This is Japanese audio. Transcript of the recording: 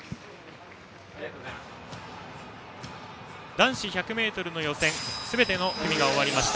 男子１００ｍの予選すべての組が終わりました。